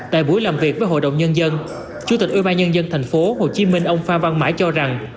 tại buổi làm việc với hội đồng nhân dân chủ tịch ưu ba nhân dân thành phố hồ chí minh ông phan văn mãi cho rằng